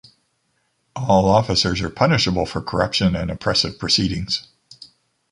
All officers are punishable for corruption and oppressive proceedings.